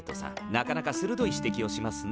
なかなかするどい指摘をしますね。